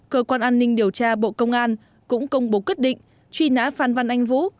cơ quan an ninh điều tra bộ công an cũng công bố quyết định truy nã phan văn anh vũ